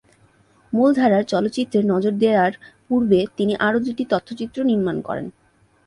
মূলধারার চলচ্চিত্রে নজর দেয়ার পূর্বে তিনি আরো দুটি তথ্যচিত্র নির্মান করেন।